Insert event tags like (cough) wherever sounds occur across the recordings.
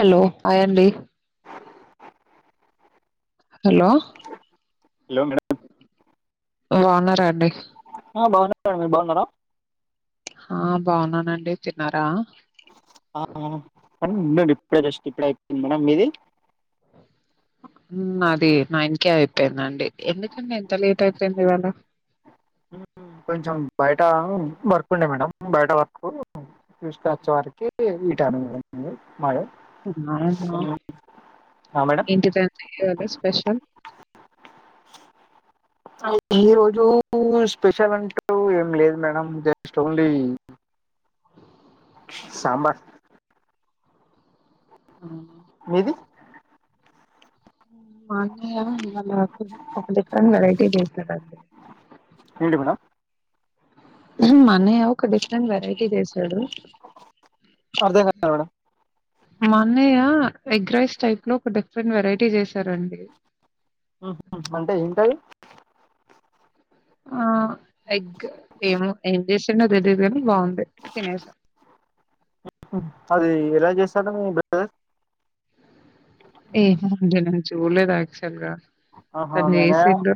Hello hi యండి hello hello madam బాగున్నరాండి ఆ బాగున్నా మేడం మీరు బాగున్నారా ఆ బాగున్నానండి తిన్నారా ఆ ఉడి ఇప్పుడే జస్ట్ ఇప్పుడె అయిపోంది మేడం మీది మాది నా నైన్ కే అయిపోయిందండి ఎందుకండి అంత లే తుందివాల మ్మ్. కొంచెం బయట వర్క్ ఉండే మేడం బయట వర్క్ చూసుకొనెచ్చ వరకి ఈ టైమ్ మేడం మళ అవునా ఆ మేడం ఏంటిది ఈ రోజు స్పెషల్ ఈ రోజు స్పెషల్ అంటూ ఏం లేదు మేడం జస్ట్ ఓన్లీ సాంబార్ ఆ మీది మాన్నయ్య ఇవాళ న్ ఒక డిఫరెంటగా వెరైటీ చేసారండి. ఎంటి మేడం మ్ మా అన్నయ్య ఒక డిఫరెంట్ వెరైటీ చేసాడు. అర్థం కాలే మేడం మాన్నయ్యా ఎగ్రైస్ టైప్ లో ఒక డి ఫరెంట్ వెరైటీ చేసారండి అహా అంటే ఏంటది ఆ ఎగ్ ఏమో ఏం చేసిండో తేలిదు గాని బాగుంది తినేసా అ హా అది ఎలా చేస్తాండు మీ బ్రదర్ ఏమో అండి నేను చూడలేదు యాక్చువల్ గా ఆహ తను చేసిండు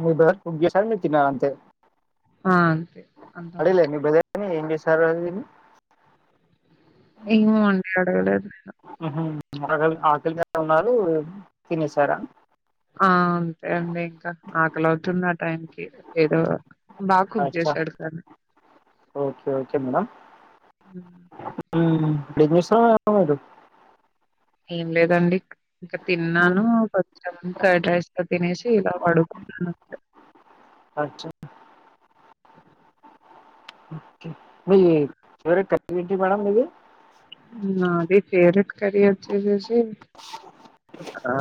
మీ బ్రదర్ కుక్ చేసారు మీరు తిన్నరంతే ఆ! అంతే అంత అడగలేద మటుకు. మీ బ్రదర్ ని ఏం చేస్తారు అది ఇది అని ఏమో అండి అడగలేదు నిను హుహు. ఆకలి ఆకలి మీద ఉన్నారు తినేసారా ఆ అంతే అండి ఇంకా ఆకలివుతుంది ఆ టైంకి ఏదో బాగా కుక్ అచ్చా! సైడ్ కన్ ఓకే ఓకే మేడం హ్మ్. మ్ రేపొస్తున్నారు గా మీరు ఏం లేదండి ఇంకా హ్మ్. తిన్నాను కొంచెం ఫ్రైడ్ రైస్ లో తినేసి ఇలా పడుకున్నాను అంతే. అచ్చ మీ ఫేవరేట్ కర్రీ ఏంటి మేడం మీది నాది ఫెవరెట్ కర్రీ ఒచ్చేసేసి ఆ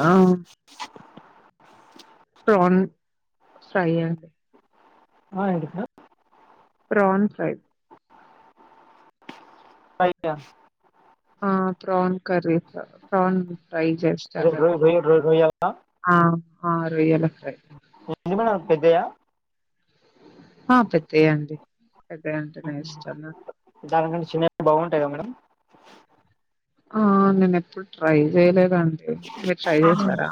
త్రన్ ఫ్రేయ్ అండి ఆ ఏంటి మే ప్రౌన్ ఫ్రేయ్ ఫ్రేయ్య్య ఆ ప్రాన్ కర్రీ ఫౌన్ ఫ్రై చేస్తారు రొ రొ కదా రొయ్య ఆ అద్ ఏందీ మేడం పెద్దయ హ పెద్దండి పెద్దాయంటేనే ఉహూ. ఇష్టం నాకు దానికంటే చిన్నవి బాగుంటాయి కదా మేడం? ఆ నినే ప్ ప్పుడు ట్రై చేయలేదండి మీరు ట్రై చేసారా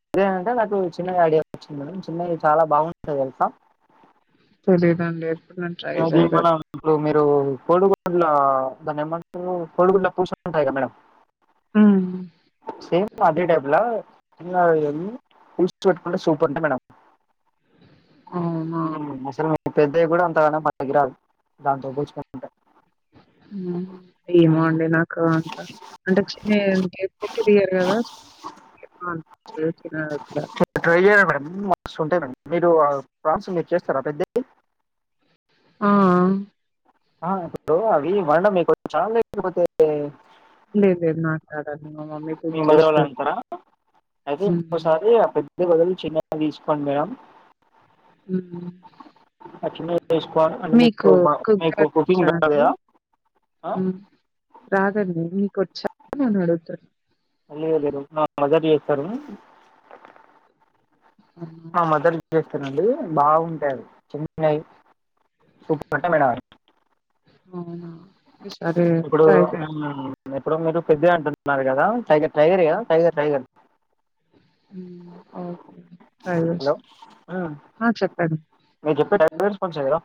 బిర్యానీ అంటే నాకు చిన్నగా ఐడియా వచ్చింది మేడం చిన్నయ్ చాలా బాగుంటయ్ తెల్సా లేదండి అది మనం ఇప్పుడు మీరు కోడుగట్ల దాన్ని ఏమంటారు కోడిగుడ్ల కొసల్ ఉంటాయ్ గా మేడం హ్మ్ సేమ్ అదే టైప్లా చిన్న ఎమ్ పులుసు పెట్టుకుంటే సూపర్ ఉంటై మేడం అవునా మ్ అసలు పెద్దయ్ కూడా అంతగానం పనికి రావు దాంతో పోల్చుకుంటే మ్ ఏమో అండి నాకు అంత అంటే చిన్నయంటే కేరియర్ అదా ఒకే బాగ్ ట్రై చేయాలె మేడం మస్తుటాయ్ మేడం మీరు ఆ ఫ్రాన్స్ మీరు చేస్తారా పెద్దయ్ ఆ ఆ ఇప్పుడు అవి వండడా మీ కొచ్చ లేపోతే లేద్ లెద్ నాకు రాదండి మా మమ్మీ కుక్ మీ మదర్ వాళ్ళు చేస్తాది అంటారా పెద్దయ్ బదులు చిన్నగ తీసుకోండి మేడం అ ఆ చిన్నవి తీసుకోండి అంటే మీకు కుక్ మీకు కుకింగ్ రాదు చడి కదా ఆ? రాదండి నీకు వచా అని అడుగుతున్నా వెళ లేరు నా మజా చేస్తారు అవునా? మ మదర్ చేస్తనండి బాగుంటారు చెన్నై సూపర్ అంటే మేడ మవునా ఇప్పుడు ఎప్పుడు మీరు పెద్దవి అంటున్నారు కదా టైగర్ టైగర్ కదా టైగర్ టైగర్ ఓకే సస్ హలో మ్మ్. ఆ చెప్పండి మీరు చెప్పే టైగర్ స్పాన్స్ కదా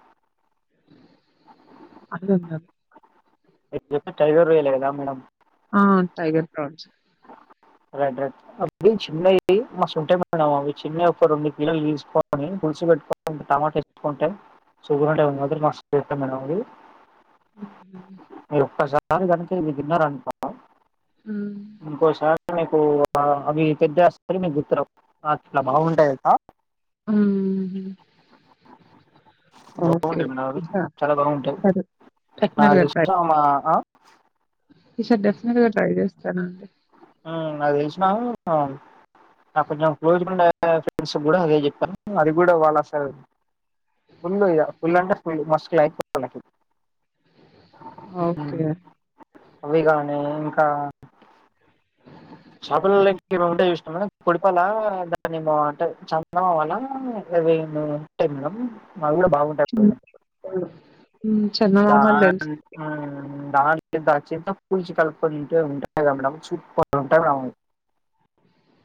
అ చెప్ప ట రయాలలే కదా మేడమ్ ఆ టైగర్ ప్రౌంస్ రైట్ రైట్ అ చిన్నవి మ ఉంటేమా అవి చిన్న ఒక రెండు కిలలు తీసుకొని టమాటా వేసుకుంటా సుగుర్ మ పె హ యారు కనుక ఇకిిన్నార అనిప హ్మ్ ఇంకోస మీకు అవి పెద్దస్త మీకు గుతు అట్లా బాగుంటాయిట ఆ ఓకే బాగుంటాయి మేడం ఈసా చాలా బాగుంటాయి ఈసారి డెఫినెట్ గా నాకు ట్రై చా మా (inaudible) చెడి అదిలిసినా నా కొంచెం్జకుండే ఫ్రెండ్స్ కూడా అదే చెప్పాను అది కూడా వాలా సార్ ఫుల్ ఇద ఫుల్ అంటేల్ మస్ అయిపో ఓకే అవి కాగానీ ఇంకా షాపుల ఏముంటే ఇష్టం పొడిపలా దాన్నింట చందంవాల ఇరవైను అంటే మడం మావి కూడా బాగుంటాయి హ్మ్ బా చందమామలు తెలుసు దంత కూూల్చ కలుపుకుొంట ఉంటాయి కద చూట్ ఉంటా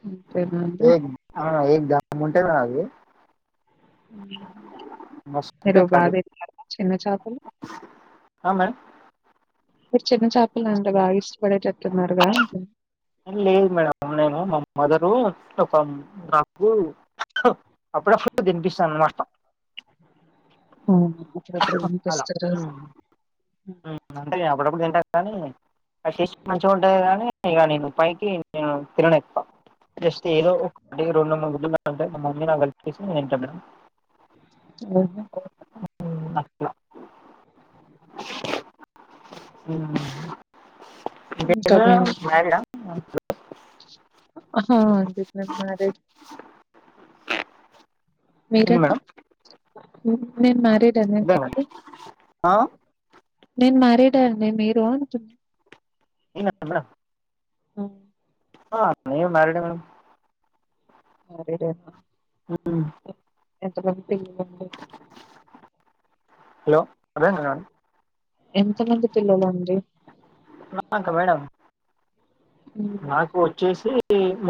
అంతేనా అంత దాము ఉంటా కాది మీరు బాధ కర్రీ. చిన్న చేపలు ఆమె చిన్నచపలు అంటే బాగా ఇష్టపడేటట్టున్నారుగా లేదు మేడం నేను మా మదరు ఒక నాగు అప్పుడప్పుడు తినిపిస్తాను అన్నమాట అవునా అప్పుడప్పుడు అలో వినిపిస్తారు అంటే అప్పుడప్పుడు ఏంట కానీ ఆస్ మంచిగా ఉంటది కానీ ఇక నేను పైకి తిరనితాను జస్ట్ ఏదో ఒక రెండుంటే నా కలిపిసి నేనుంటా అఓహ సర ద ఇంకా మీ మ మే ఎంనా మీరండి? నేను మరిద ఆ? నేను మారేడాడి మీరు అనుకుంది ఏనాప్పంద ఆ ఆ న మారిడ మేడం అదేద ఆ ఎంత మంది హలో అదే ఎ ఎంత మంది పిల్లలండి ఆ, ఇంకా మేడం హ్మ్. నాకు వచ్చేసి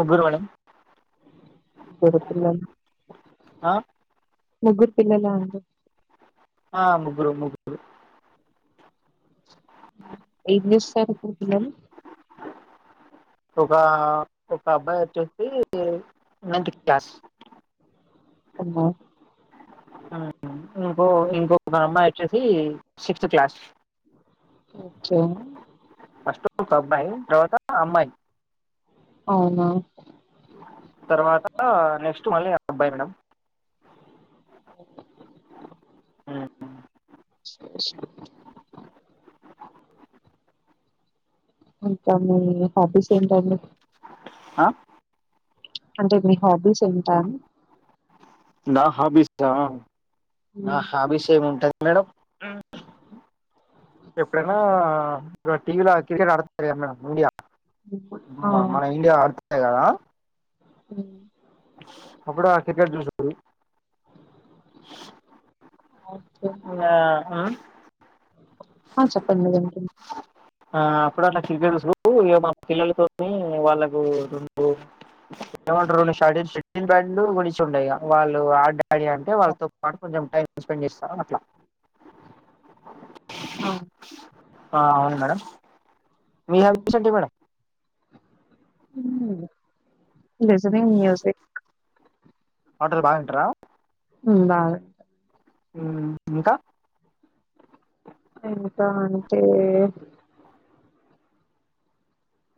ముగ్గురు వాన మగ పిల్లలు ఆ, ముగ్గురు పిల్లల ఉు ఆ ముగ్గురు ముగ్గురు ఎమ్ చస్తారు ఇప్పుడు పిల్లలు ఒక ఒక అబ్బాయి వచ్చేసి నైన్త్ క్లాస్ అ ఇంకో ఇంకోక మన అమ్మాయి వచ్చేసి సిక్స్త్ క్లాస్ ఓకే. అష్టో అబ్బాయి తర్వాత అమ్మాయి అవునా తర్వాత నెక్స్ట్ మళ్ళీ అబ్బాయి మడం అ (unintelligible) ఇకా మీ హాబీస్ ఏ టైమ్ ఆ అంటే మీ హాబీస్ ఏంటా నా హాబీస్ నా హ్మ్. హాబీస్ ఏమింటది మేడం ఎప్పుడనా టీవలో క్రికెట్ అడతు మేడండియా హ్మ్. ఆ! మన ఇండియా ఆడుతయి కదా అ అప్పుడు ఆ క్రికెట్ చూసారు ఓకే. అ ఆ! చెప్పండి వింటున్నా. ఆ అప్పుడు నా క్రికెట్ ఇ మా పిల్లలతోనే వాళ్ళకు రెండు ష బం గుంచి ఉండ వాళ్ళు డి అంటే వాళ్ళతో పాటు కొంచెం టైం స్పెండ్ చేస్తారు అట్లా ఆ! అవును మేడం మీ హ విషంటి మేడం లిస్టింగ్ మ్యూజిక్ పటలు బాగాంటార ఉ బాగా ఇంకా ఇంకా అంటే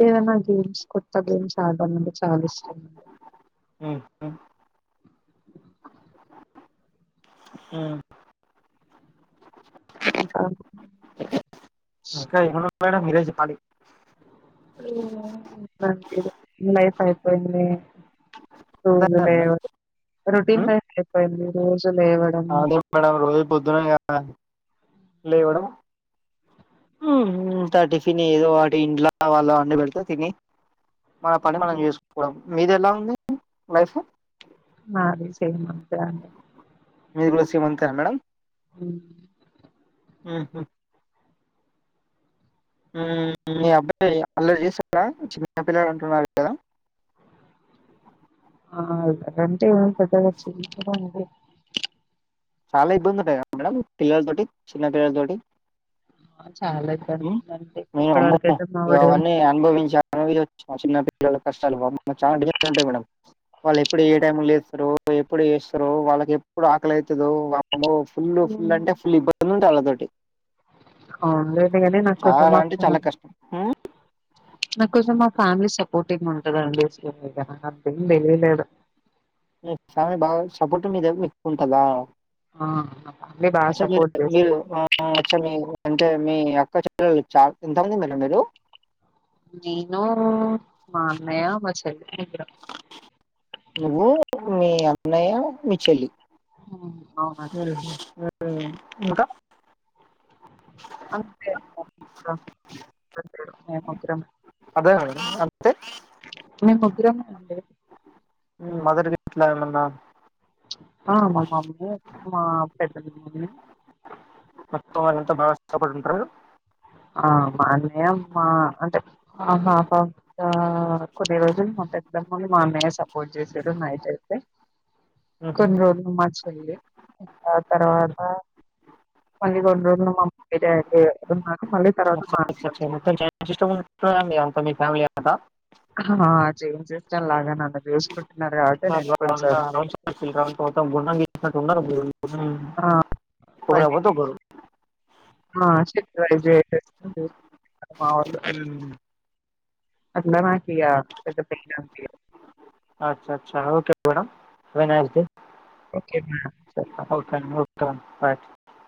ఏవైనా గేమ్స్ కొత్త గేమ్స్ ఆడడా అంటే చాలా ఇష్టం అండి ఆ ఆ ఇంకా అక్క ఎవ మేడం ఇరేజ్ పాలి హ్మ్మ్ లైఫ్ అయిపోయింది అర్థం కాదు పోగాలే మేడం రొటీన్ ఉమ్, అయిపోయింది రోజులు లేవ్వడం అదే మేడం రోజు పొద్దున ఇగ లేవడం అంత టిఫిన్ ఏదో వాటి ఇంట్లో వాళ్ళ అండి పెడత తిని మన పని మనం చేసుకుపోడం మీది ఎలా ఉంది లైఫ్ నాది సేమ్ అలానే మీది కూడ సేమ్ అంతేన మేడం మ్ మ్ హు మీ అబ్బాయి అల్లరి చేస్తాడ చిన్న పిల్లలు అంటున్నారు కదా ఆడంటే పెద్దగా చిన్న పిల్లాడు అండి చాలా ఇబ్బంది ఉంటాయి కదా మేడం పిల్లలతోటి చిన్న పిల్లలతోటి ఆ, చాలా ఇబ్బంది మ్ ఉందండి. మీ ఇప్పటి అమ్మ వరకయితే మా వాడు అవన్నీ అనుభవించా వచ్చ మా చిన్న పిల్లల కష్టాలు వామ్మో చాలా డిస్ అంటే మేడం వాళ్ళు ఎప్పుడు ఏ టైంలో లేస్తారో ఎప్పుడు లేస్తారో వాళ్ళకి ఎప్పుడు ఆకలి అయితదో వామ్మో ఫుల్ ఫుల్ అంటే ఫుల్ ఇబ్బందిలు ఉంటయ్ ఆళ్ళతోటి అవును లేదు గాని నాకు చాలా అంటే చాలా సంవత్సరం కష్టం ఉమ్, నా కోసం మా ఫ్యామిలీ స పోర్టింగ్ ఉంటంది అండి అంత ఏం తెలియలేదు మీద మీ అక్క ఉంటద ఆ మా ఫ్యామిలీ బాగా అచ్చ మీరు సపోర్ట్ చేసి మీరు అచ్చ మీరు అంటే మీ అక్క చెల్లెళ్ళు చాలా మంది ఎంత మంది మేడం మీరు నేను మా అన్నయ మాచెల్లి నువ్వు మీ అన్నయ్య మీ చెల్లి హ్మ్. అవునండి మ్ హు ఇంకా అంతే అండి ఇంక అదే మేడం అంతే మేమ్ ముగ్గురమే అండి మదర్ గిట్లా ఏమన్న ఆ మా మమ్మీ మా పెద్దమ్మ మమ్మీ మొత్తం వాళ్ళ అంతా బా ఇష్టపడిఉంటార ఆ మా అన్నయ్య మా అంటే ఆఫ్ ఆఫ్ ద కొద్ది రోజులు ఎగ్జామ్ ముందు మా అన్నయ్యే సపోర్ట్ చేసాడు నైట్ అయితే కొన్ని రోజులు మా చెల్లి ఇంకా ఆ తర్వాత మళ్ళీ రెండు రోజులు మమ్మీ డాడీ యే మొత్తం జేన్ సిస్టర్ అనుకుంటున్నారు అంత మీ ఫ్యామిలీ అంతా హా జేన్ సిస్టర్ లాగ నున్ను చూసుకుంటున్నారు కాబట్టే నేను కొంచెం మీ కోసం ఉండం గీయిచినట్టు ఉన్నారు ఇన్నీ ఆ రోజులు ఎవరు తగ్గరు మా చెల్లి డ్రైవ్ చేసేస్తుంది మా వోళ్ళు అంద మాకు ఇగ పెద్ద పెద్ద పేరు అచ్చ చ్చ okay madam have a nice day okay madam okay అండి ఓకే అండి బైట్